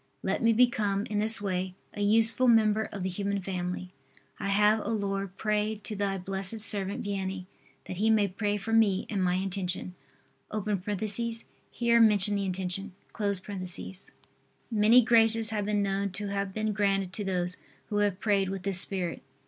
Let me become, in this way, a useful member of the human family. I have, O Lord, prayed to Thy blessed servant Vianney, that he may pray for me and my intention. (Here mention the intention.) Many graces have been known to have been granted to those who have prayed with this spirit.